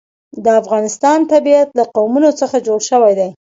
د افغانستان طبیعت له قومونه څخه جوړ شوی دی.